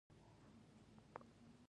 مخکې مو د پانګې د راټولېدو په اړه وویل